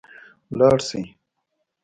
ولاړ سئ